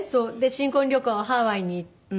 新婚旅行はハワイに行って。